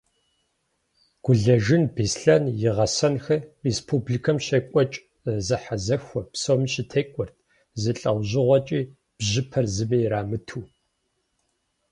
Гулэжын Беслъэн и гъэсэнхэр республикэм щекӏуэкӏ зэхьэзэхуэ псоми щытекӏуэрт, зы лӏэужьыгъуэкӏи бжьыпэр зыми ирамыту.